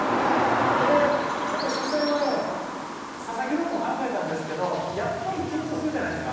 でやっぱり初戦はね佐々木朗希も考えたんですけどやっぱり緊張するじゃないですか。